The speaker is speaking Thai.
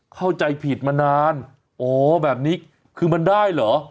เข้าใจผิดมานานอ๋อแบบนี้คือมันได้เหรอ